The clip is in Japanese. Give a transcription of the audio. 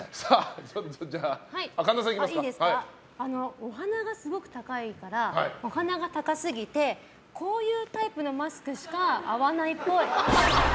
お鼻がすごい高いからお鼻が高すぎてこういうタイプのマスクしか合わないっぽい。